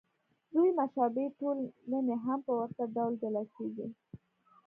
دوې مشابه ټولنې هم په ورته ډول جلا کېږي.